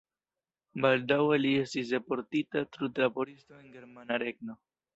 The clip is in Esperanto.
Baldaŭe li estis deportita trudlaboristo en Germana Regno.